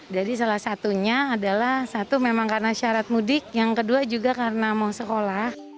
jadi salah satunya adalah satu memang karena syarat mudik yang kedua juga karena mau sekolah